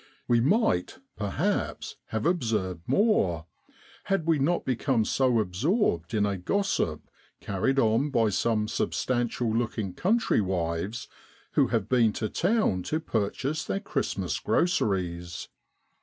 We might, perhaps, have observed more had we not become so absorbed in a gossip carried on by some substantial looking country wives who have been to town to purchase their Christmas groceries.